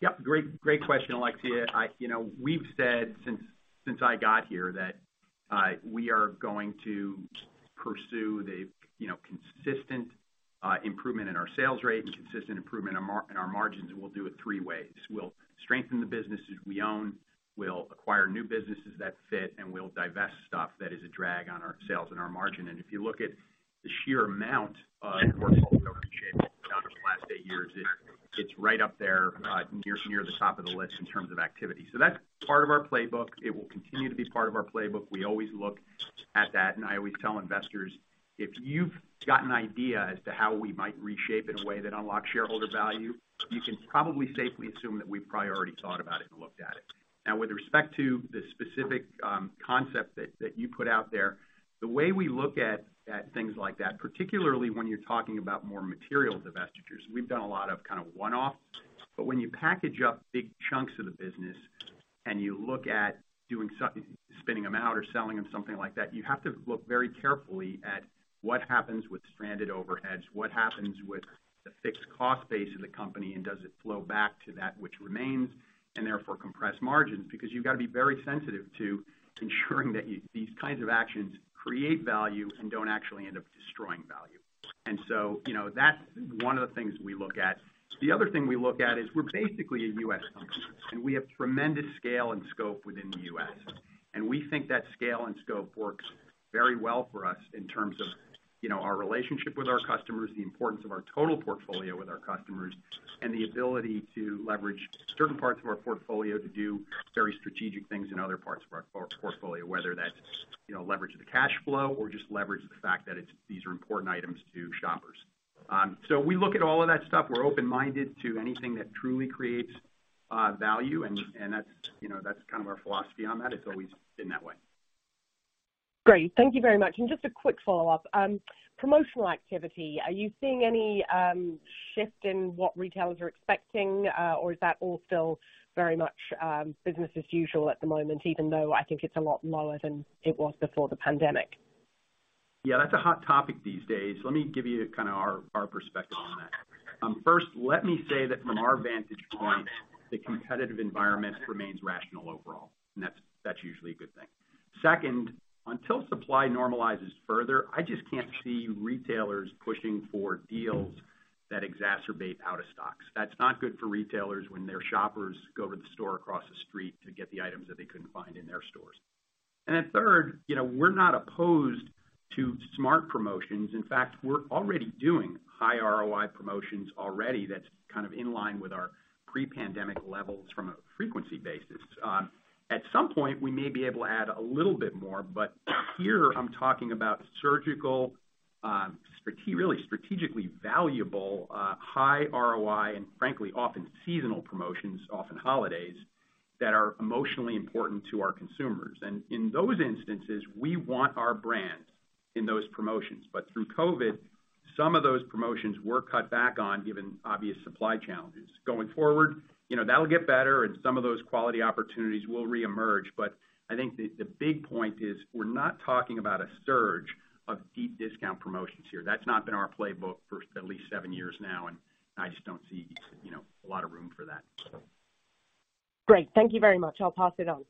Yep. Great question, Alexia. We've said since I got here that we are going to pursue the, you know, consistent improvement in our sales rate and consistent improvement in our margins, and we'll do it three ways. We'll strengthen the businesses we own, we'll acquire new businesses that fit, and we'll divest stuff that is a drag on our sales and our margin. If you look at the sheer amount of portfolio shape over the last eight years, it's right up there near the top of the list in terms of activity. That's part of our playbook. It will continue to be part of our playbook. We always look at that and I always tell investors, "If you've got an idea as to how we might reshape in a way that unlocks shareholder value, you can probably safely assume that we've probably already thought about it and looked at it." With respect to the specific concept that you put out there, the way we look at things like that, particularly when you're talking about more material divestitures, we've done a lot of kind of one-off. When you package up big chunks of the business and you look at doing spinning them out or selling them, something like that, you have to look very carefully at what happens with stranded overheads, what happens with the fixed cost base of the company, and does it flow back to that which remains, and therefore compress margins. Because you've got to be very sensitive to ensuring that these kinds of actions create value and don't actually end up destroying value, you know, that's one of the things we look at. The other thing we look at is we're basically a U.S. company, and we have tremendous scale and scope within the U.S. We think that scale and scope works very well for us in terms of, you know, our relationship with our customers, the importance of our total portfolio with our customers, and the ability to leverage certain parts of our portfolio to do very strategic things in other parts of our portfolio, whether that's, you know, leverage the cash flow or just leverage the fact that it's these are important items to shoppers. We look at all of that stuff. We're open-minded to anything that truly creates value. That's, you know, that's kind of our philosophy on that, and it's always been that way. Great. Thank you very much. Just a quick follow-up. Promotional activity, are you seeing any, shift in what retailers are expecting, or is that all still very much business as usual at the moment even though I think it's a lot lower than it was before the pandemic? Yeah, that's a hot topic these days. Let me give you kind of our perspective on that. First, let me say that from our vantage point, the competitive environment remains rational overall, and that's usually a good thing. Second, until supply normalizes further, I just can't see retailers pushing for deals that exacerbate out of stocks. That's not good for retailers when their shoppers go to the store across the street to get the items that they couldn't find in their stores. Then third, you know, we're not opposed to smart promotions. In fact, we're already doing high ROI promotions already that's kind of in line with our pre-pandemic levels from a frequency basis. At some point, we may be able to add a little bit more, but here I'm talking about surgical, really strategically valuable, high ROI, and frankly, often seasonal promotions, often holidays, that are emotionally important to our consumers. In those instances, we want our brand in those promotions. Through COVID, some of those promotions were cut back on given obvious supply challenges. Going forward, you know, that'll get better and some of those quality opportunities will reemerge. I think the big point is we're not talking about a surge of deep discount promotions here. That's not been our playbook for at least seven years now, and I just don't see, you know, a lot of room for that. Great. Thank you very much. I'll pass it on.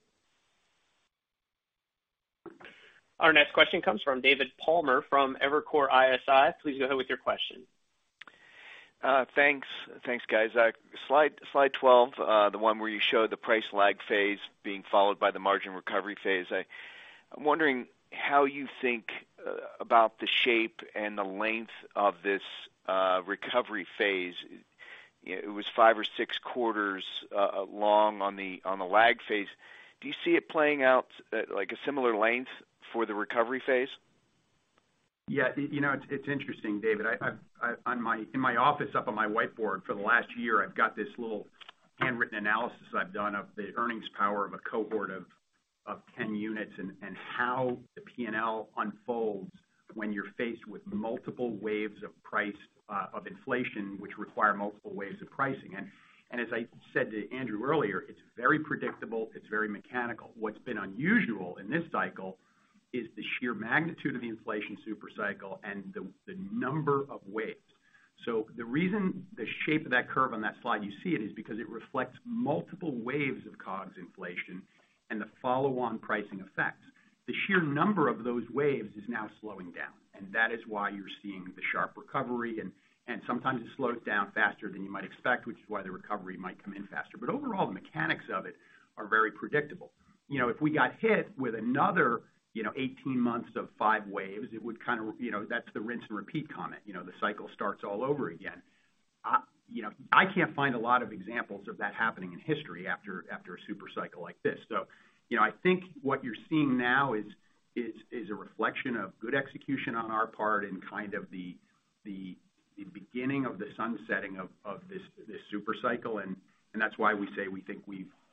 Our next question comes from David Palmer from Evercore ISI. Please go ahead with your question. Thanks. Thanks, guys. Slide 12, the one where you showed the price lag phase being followed by the margin recovery phase. I'm wondering how you think about the shape and the length of this recovery phase. It was five or six quarters long on the, on the lag phase. Do you see it playing out like a similar length for the recovery phase? Yeah. You know, it's interesting, David. I've in my office up on my whiteboard for the last year, I've got this little handwritten analysis I've done of the earnings power of a cohort of 10 units and how the P&L unfolds when you're faced with multiple waves of price of inflation, which require multiple waves of pricing. As I said to Andrew earlier, it's very predictable, it's very mechanical. What's been unusual in this cycle is the sheer magnitude of the inflation super cycle and the number of waves. The reason the shape of that curve on that slide you see it is because it reflects multiple waves of COGS inflation and the follow-on pricing effects. The sheer number of those waves is now slowing down, and that is why you're seeing the sharp recovery. Sometimes it slows down faster than you might expect, which is why the recovery might come in faster. Overall, the mechanics of it are very predictable. If we got hit with another, you know, 18 months of five waves, it would kind of, you know, that's the rinse and repeat comment. You know, the cycle starts all over again. I can't find a lot of examples of that happening in history after a super cycle like this. You know, I think what you're seeing now is a reflection of good execution on our part and kind of the beginning of the sun setting of this super cycle. That's why we say we think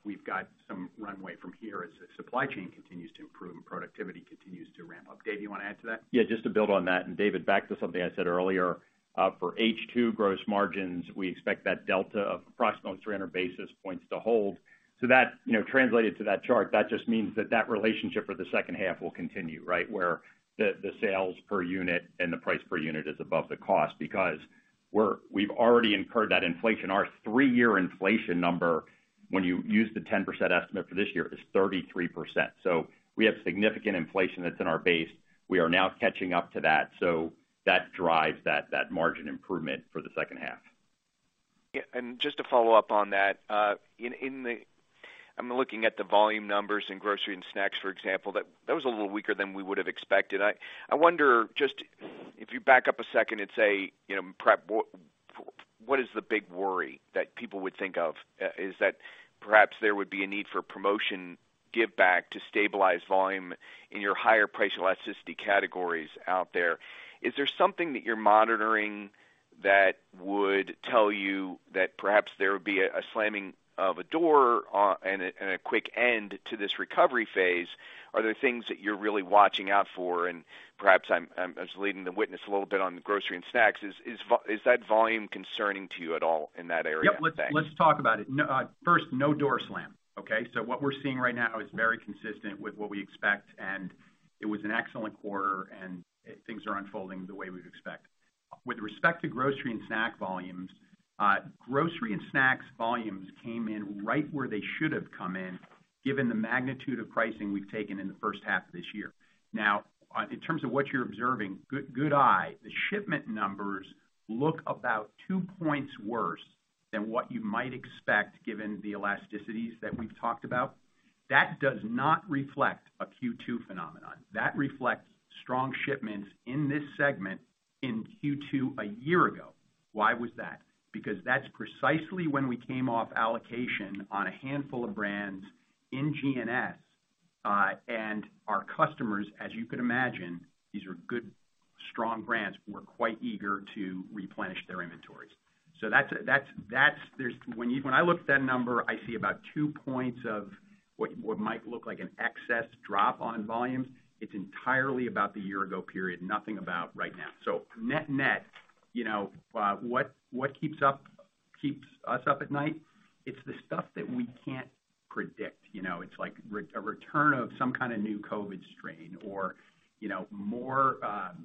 we've got some runway from here as the supply chain continues to improve and productivity continues to ramp up. Dave, you want to add to that? Yeah, just to build on that. David, back to something I said earlier. For H2 gross margins, we expect that delta of approximately 300 basis points to hold. That, you know, translated to that chart, that just means that that relationship for the second half will continue, right, where the sales per unit and the price per unit is above the cost because we've already incurred that inflation. Our three-year inflation number, when you use the 10% estimate for this year, is 33%. We have significant inflation that's in our base. We are now catching up to that. That drives that margin improvement for the second half. Yeah, and just to follow up on that, I'm looking at the volume numbers in grocery and snacks, for example, that was a little weaker than we would have expected. I wonder just if you back up a second and say, you know, what is the big worry that people would think of? Is that perhaps there would be a need for promotion give back to stabilize volume in your higher price elasticity categories out there. Is there something that you're monitoring that would tell you that perhaps there would be a slamming of a door and a quick end to this recovery phase? Are there things that you're really watching out for? And perhaps I'm just leading the witness a little bit on the grocery and snacks. Is that volume concerning to you at all in that area? Thanks. Yep, let's talk about it. First, no door slam. Okay? What we're seeing right now is very consistent with what we expect, and it was an excellent quarter, and things are unfolding the way we'd expect. With respect to grocery and snack volumes, grocery and snacks volumes came in right where they should have come in given the magnitude of pricing we've taken in the first half of this year. Now, in terms of what you're observing, good eye. The shipment numbers look about two points worse than what you might expect given the elasticities that we've talked about. That does not reflect a Q2 phenomenon. That reflects strong shipments in this segment in Q2 a year ago. Why was that? Because that's precisely when we came off allocation on a handful of brands in GNS, and our customers, as you could imagine, these are good, strong brands, were quite eager to replenish their inventories. That's when I look at that number, I see about two points of what might look like an excess drop on volumes. It's entirely about the year ago period, nothing about right now. Net-net, you know, what keeps us up at night, it's the stuff that we can't predict. You know, it's like a return of some kind of new COVID strain or, you know, more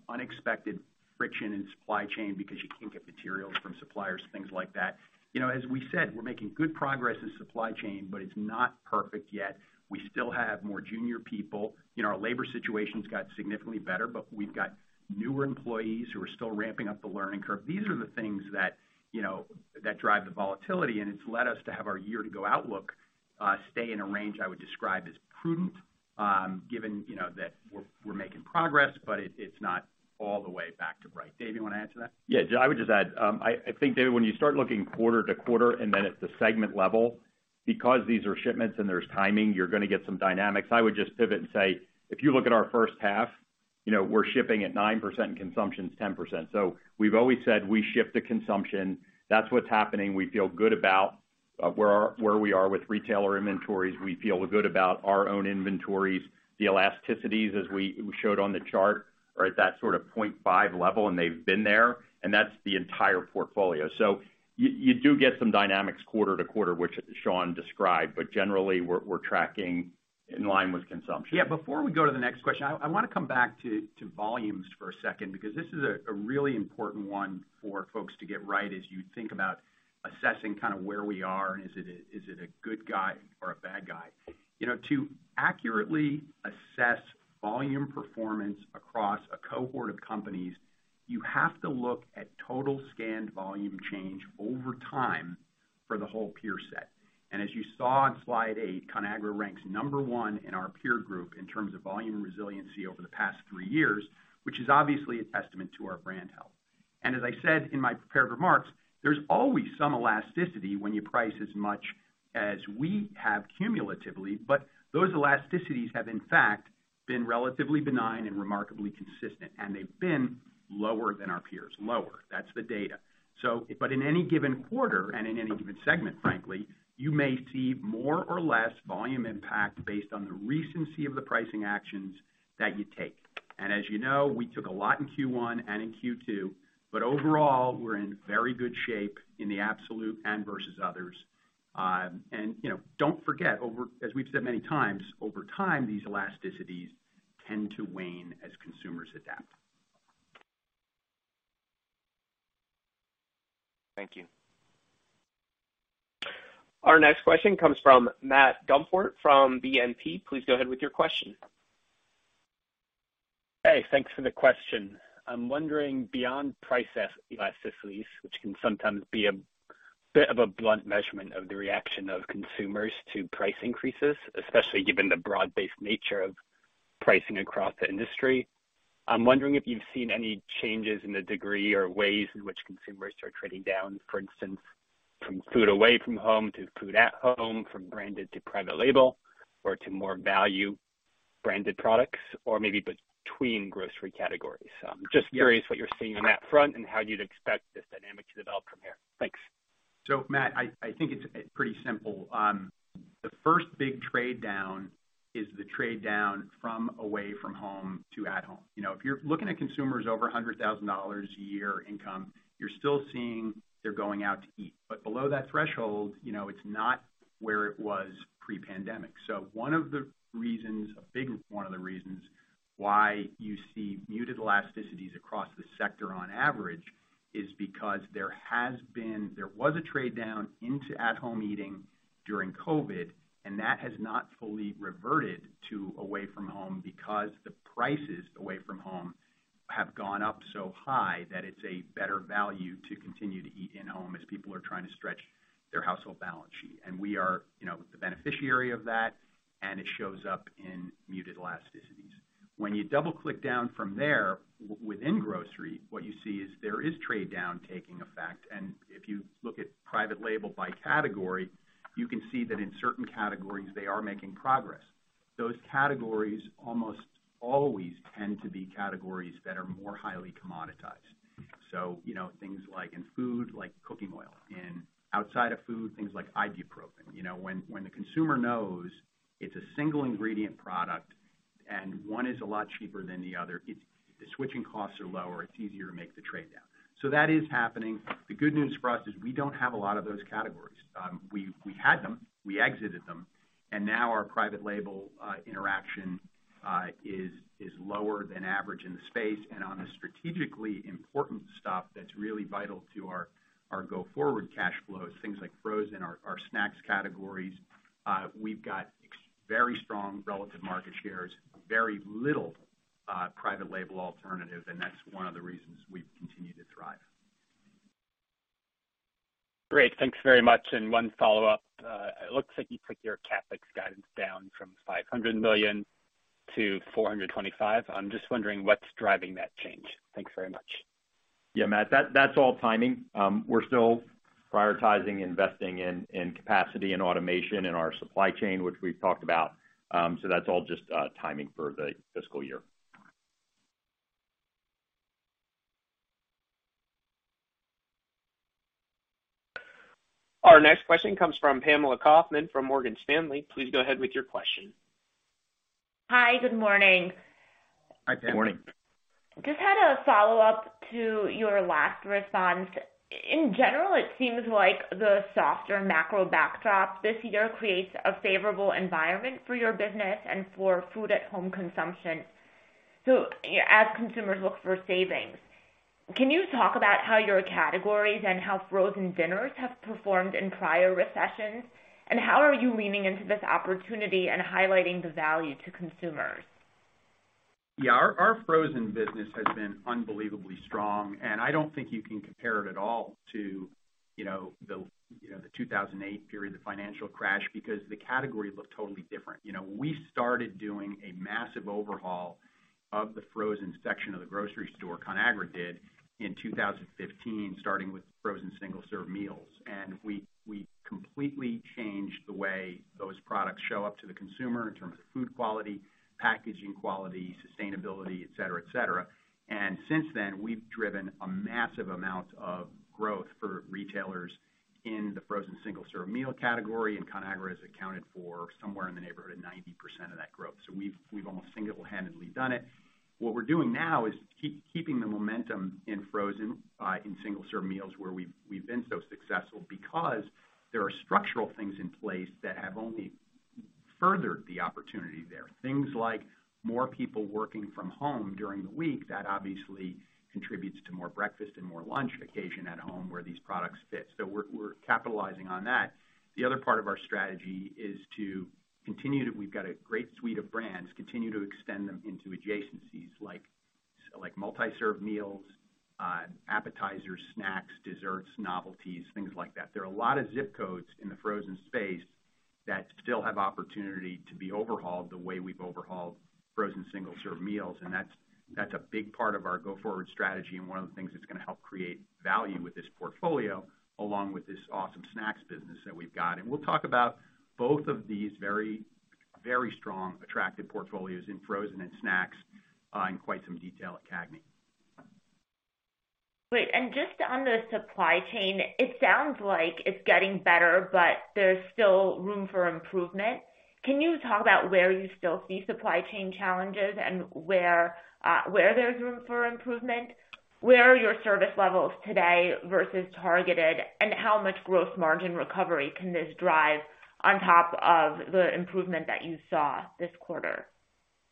unexpected friction in supply chain because you can't get materials from suppliers, things like that. You know, as we said, we're making good progress in supply chain, but it's not perfect yet. We still have more junior people. You know, our labor situation's got significantly better. We've got newer employees who are still ramping up the learning curve. These are the things that, you know, that drive the volatility. It's led us to have our year-to-go outlook stay in a range I would describe as prudent given, you know, that we're making progress, but it's not all the way back to bright. Dave, you want to answer that? Yeah, I would just add, I think, David, when you start looking quarter to quarter and then at the segment level, because these are shipments and there's timing, you're going to get some dynamics. I would just pivot and say, if you look at our first half, you know, we're shipping at 9% and consumption is 10%. We've always said we ship to consumption. That's what's happening. We feel good about where we are with retailer inventories. We feel good about our own inventories. The elasticities, as we showed on the chart, are at that sort of 0.5 level, and they've been there, and that's the entire portfolio. You do get some dynamics quarter to quarter, which Sean described, but generally we're tracking in line with consumption. Yeah, before we go to the next question, I want to come back to volumes for a second because this is a really important one for folks to get right as you think about assessing kind of where we are and is it a good guy or a bad guy. You know, to accurately assess volume performance across a cohort of companies, you have to look at total scanned volume change over time for the whole peer set. As you saw on slide eight, Conagra ranks number one in our peer group in terms of volume and resiliency over the past three years, which is obviously a testament to our brand health. As I said in my prepared remarks, there's always some elasticity when you price as much as we have cumulatively, but those elasticities have in fact been relatively benign and remarkably consistent, and they've been lower than our peers, lower, and that's the data. In any given quarter and in any given segment, frankly, you may see more or less volume impact based on the recency of the pricing actions that you take. As you know, we took a lot in Q1 and in Q2, but overall, we're in very good shape in the absolute and versus others. You know, don't forget, as we've said many times, over time, these elasticities tend to wane as consumers adapt. Thank you. Our next question comes from Max Gumport from BNP. Please go ahead with your question. Hey, thanks for the question. I'm wondering beyond price elasticities, which can sometimes be a bit of a blunt measurement of the reaction of consumers to price increases, especially given the broad-based nature of pricing across the industry. I'm wondering if you've seen any changes in the degree or ways in which consumers are trading down, for instance, from food away from home to food at home, from branded to private label or to more value branded products or maybe between grocery categories. I'm just curious what you're seeing on that front and how you'd expect this dynamic to develop from here. Thanks. Max, I think it's pretty simple. The first big trade down is the trade down from away from home to at home. If you're looking at consumers over $100,000 a year income, you're still seeing they're going out to eat. Below that threshold, you know, it's not where it was pre-pandemic. One of the reasons, a big one of the reasons why you see muted elasticities across the sector on average is because there was a trade down into at-home eating during COVID and that has not fully reverted to away from home because the prices away from home have gone up so high that it's a better value to continue to eat in-home as people are trying to stretch their household balance sheet. We are, you know, the beneficiary of that, and it shows up in muted elasticities. When you double-click down from there, within grocery, what you see is there is trade down taking effect. If you look at private label by category, you can see that in certain categories they are making progress. Those categories almost always tend to be categories that are more highly commoditized. You know, things like in food, like cooking oil. In outside of food, things like ibuprofen. You know, when the consumer knows it's a single ingredient product and one is a lot cheaper than the other, the switching costs are lower, it's easier to make the trade down. That is happening. The good news for us is we don't have a lot of those categories. We had them, we exited them, and now our private label interaction is lower than average in the space. On the strategically important stuff that's really vital to our go-forward cash flows, things like frozen, our snacks categories, we've got very strong relative market shares, very little private label alternative, and that's one of the reasons we've continued to thrive. Great. Thanks very much. One follow-up. It looks like you took your CapEx guidance down from $500 million to $425 million. I'm just wondering what's driving that change. Thanks very much. Yeah, Max, that's all timing. We're still prioritizing investing in capacity and automation in our supply chain, which we've talked about. That's all just timing for the fiscal year. Our next question comes from Pamela Kaufman from Morgan Stanley. Please go ahead with your question. Hi, good morning. Hi, Pam. Good morning. I just had a follow-up to your last response. In general, it seems like the softer macro backdrop this year creates a favorable environment for your business and for food at home consumption, so, you know, as consumers look for savings. Can you talk about how your categories and how frozen dinners have performed in prior recessions? How are you leaning into this opportunity and highlighting the value to consumers? Yeah, our frozen business has been unbelievably strong. I don't think you can compare it at all to, you know, the 2008 period, the financial crash, because the categories look totally different. You know, we started doing a massive overhaul of the frozen section of the grocery store, Conagra did, in 2015, starting with frozen single-serve meals. We completely changed the way those products show up to the consumer in terms of food quality, packaging quality, sustainability, et cetera, et cetera. Since then, we've driven a massive amount of growth for retailers in the frozen single-serve meal category, and Conagra has accounted for somewhere in the neighborhood of 90% of that growth. We've almost single-handedly done it. What we're doing now is keeping the momentum in frozen, in single-serve meals where we've been so successful because there are structural things in place that have only furthered the opportunity there. Things like more people working from home during the week, that obviously contributes to more breakfast and more lunch occasion at home where these products fit. We're capitalizing on that. The other part of our strategy is to continue, we've got a great suite of brands, continue to extend them into adjacencies like multi-serve meals, appetizers, snacks, desserts, novelties, things like that. There are a lot of zip codes in the frozen space that still have opportunity to be overhauled the way we've overhauled frozen single-serve meals, and that's a big part of our go-forward strategy and one of the things that's going to help create value with this portfolio, along with this awesome snacks business that we've got. We'll talk about both of these very strong, attractive portfolios in frozen and snacks in quite some detail at CAGNY. Great and just on the supply chain, it sounds like it's getting better, but there's still room for improvement. Can you talk about where you still see supply chain challenges and where there's room for improvement? Where are your service levels today versus targeted? How much gross margin recovery can this drive on top of the improvement that you saw this quarter?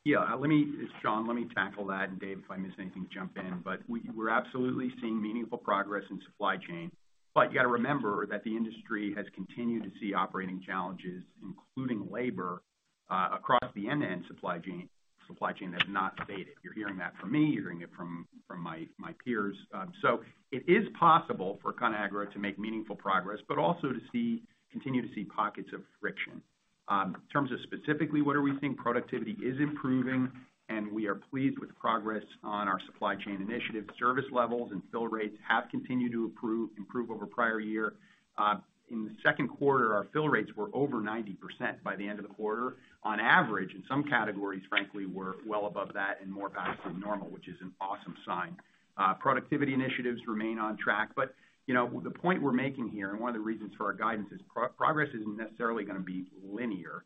Yeah. Let me, this is Sean, let me tackle that, and Dave, if I miss anything, jump in. We're absolutely seeing meaningful progress in supply chain. You gotta remember that the industry has continued to see operating challenges, including labor, across the end-to-end supply chain has not faded. You're hearing that from me, you're hearing it from my peers. It is possible for Conagra to make meaningful progress, but also to continue to see pockets of friction. In terms of specifically what do we think, productivity is improving, and we are pleased with progress on our supply chain initiative. Service levels and fill rates have continued to improve over prior year. In the second quarter, our fill rates were over 90% by the end of the quarter. On average, in some categories, frankly, we're well above that and more back than normal, which is an awesome sign. Productivity initiatives remain on track. The point we're making here, and one of the reasons for our guidance is pro-progress isn't necessarily going to be linear.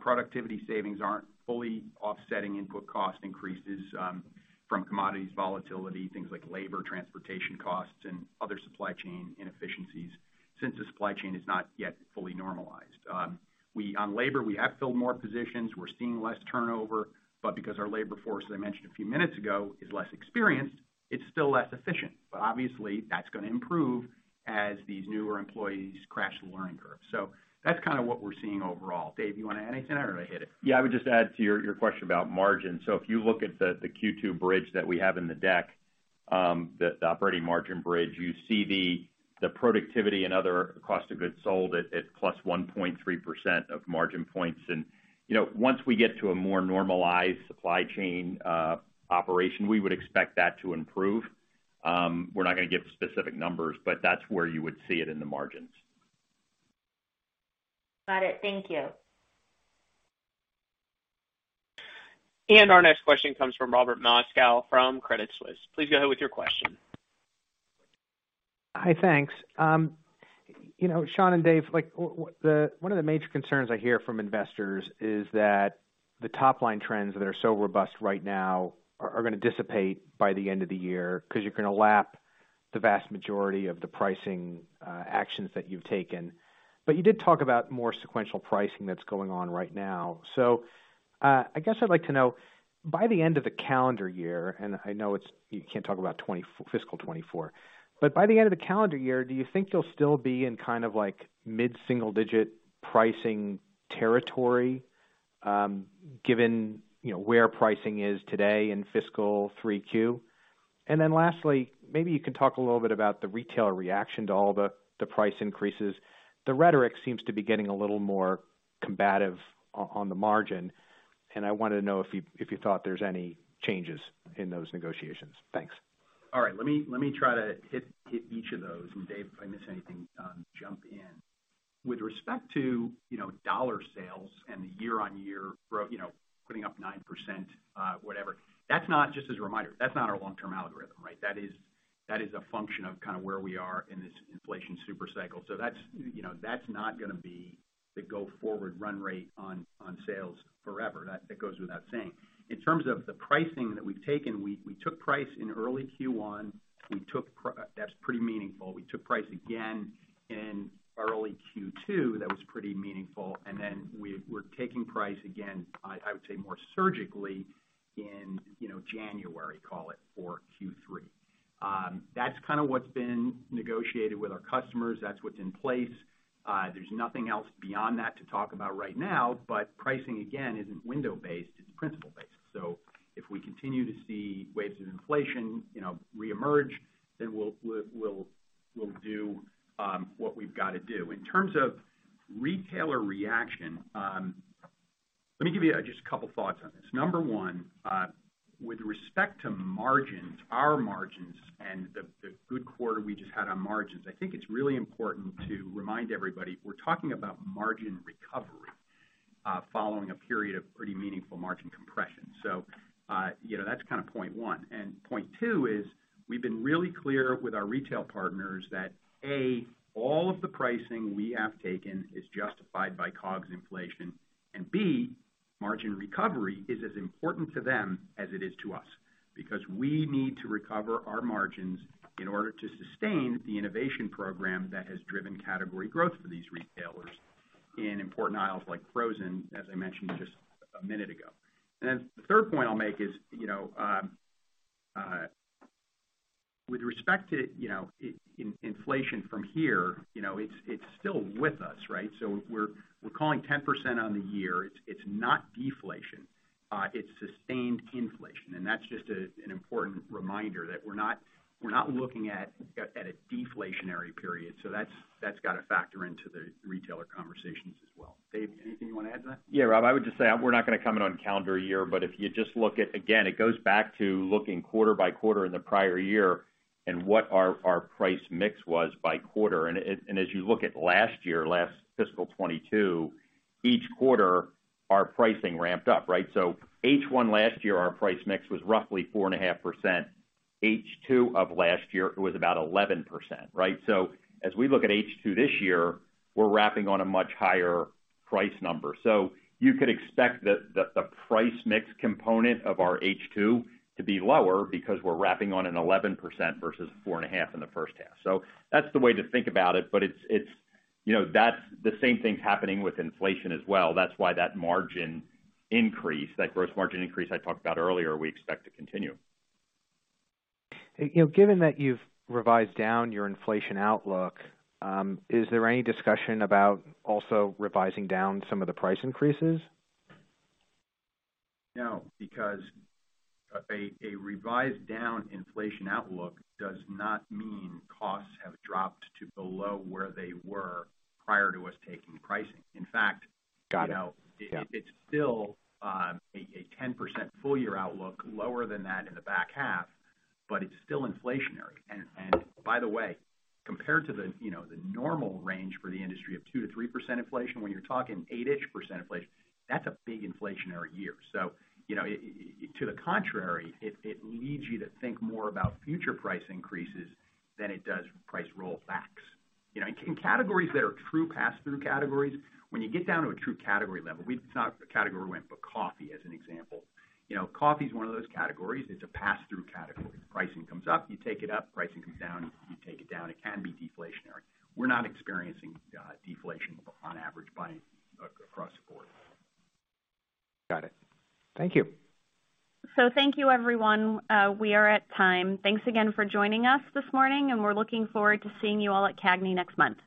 Productivity savings aren't fully offsetting input cost increases from commodities volatility, things like labor, transportation costs, and other supply chain inefficiencies since the supply chain is not yet fully normalized. On labor, we have filled more positions. We're seeing less turnover, but because our labor force, as I mentioned a few minutes ago, is less experienced. It's still less efficient, but obviously that's going to improve as these newer employees crash the learning curve. That's kind of what we're seeing overall. Dave, you want to add anything or did I hit it? Yeah, I would just add to your question about margin. If you look at the Q2 bridge that we have in the deck, the operating margin bridge, you see the productivity and other cost of goods sold at plus 1.3% of margin points. You know, once we get to a more normalized supply chain, operation, we would expect that to improve. We're not going to give specific numbers, but that's where you would see it in the margins. Got it. Thank you. Our next question comes from Robert Moskow from Credit Suisse. Please go ahead with your question. Hi. Thanks. you know, Sean and Dave, like, one of the major concerns I hear from investors is that the top line trends that are so robust right now are going to dissipate by the end of the year because you're going to lap the vast majority of the pricing actions that you've taken. You did talk about more sequential pricing that's going on right now. I'd like to know, by the end of the calendar year, and I know you can't talk about Fiscal 2024, but by the end of the calendar year, do you think you'll still be in kind of like mid-single-digit pricing territory, given, you know, where pricing is today in Fiscal 3Q? Lastly, maybe you could talk a little bit about the retailer reaction to all the price increases. The rhetoric seems to be getting a little more combative on the margin and I want to know if you thought there's any changes in those negotiations. Thanks. All right. Let me try to hit each of those. Dave, if I miss anything, jump in. With respect to, you know, dollar sales and the year-over-year, you know, putting up 9%, whatever, that's not just as a reminder, that's not our long-term algorithm, right? That is a function of kind of where we are in this inflation super cycle. That's, you know, that's not going to be the go-forward run rate on sales forever. That goes without saying. In terms of the pricing that we've taken, we took price in early Q1. We took. That's pretty meaningful. We took price again in early Q2. That was pretty meaningful, and then we're taking price again, I would say more surgically in, you know, January, call it, for Q3. That's kind of what's been negotiated with our customers. That's what's in place. There's nothing else beyond that to talk about right now. Pricing again isn't window based, it's principle based. If we continue to see waves of inflation, you know, reemerge, then we'll do what we've got to do. In terms of retailer reaction, let me give you just a couple thoughts on this. Number one, with respect to margins, our margins and the good quarter we just had on margins, I think it's really important to remind everybody, we're talking about margin recovery, following a period of pretty meaningful margin compression. You know, that's kind of point one. Point two is we've been really clear with our retail partners that, A, all of the pricing we have taken is justified by COGS inflation, and B, margin recovery is as important to them as it is to us because we need to recover our margins in order to sustain the innovation program that has driven category growth for these retailers in important aisles like frozen, as I mentioned just a minute ago. Then the third point I'll make is, you know, with respect to, you know, inflation from here, you know, it's still with us, right? We're calling 10% on the year. It's not deflation. It's sustained inflation. That's just an important reminder that we're not looking at a deflationary period. That's got to factor into the retailer conversations as well. Dave, anything you want to add to that? Rob, I would just say we're not going to comment on calendar year, but if you just look at, again, it goes back to looking quarter by quarter in the prior year and what our price mix was by quarter. As you look at last year, last Fiscal 2022, each quarter, our pricing ramped up, right? H1 last year, our price mix was roughly 4.5%. H2 of last year, it was about 11%, right? As we look at H2 this year, we're wrapping on a much higher price number. You could expect the price mix component of our H2 to be lower because we're wrapping on an 11% versus 4.5% in the first half. That's the way to think about it, but it's. You know, the same thing's happening with inflation as well. That's why that margin increase, that gross margin increase I talked about earlier, we expect to continue. Given that you've revised down your inflation outlook, is there any discussion about also revising down some of the price increases? No, because a revised down inflation outlook does not mean costs have dropped to below where they were prior to us taking pricing. Got it. Yeah In fact, it's still a 10% full year outlook lower than that in the back half, but it's still inflationary. By the way, compared to the, you know, the normal range for the industry of 2% to 3% inflation, when you're talking 8%-ish inflation, that's a big inflationary year. To the contrary, it leads you to think more about future price increases than it does price rollbacks. In categories that are true pass-through categories, when you get down to a true category level, we've talked a category we're in, but coffee as an example. You know, coffee is one of those categories. It's a pass-through category. Pricing comes up, you take it up, pricing comes down, you take it down. It can be deflationary. We're not experiencing deflation on average across the board. Got it. Thank you. Thank you, everyone. We are at time. Thanks again for joining us this morning and we're looking forward to seeing you all at CAGNY next month.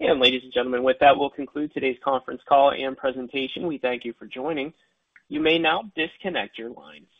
Ladies and gentlemen, with that, we'll conclude today's conference call and presentation. We thank you for joining. You may now disconnect your lines.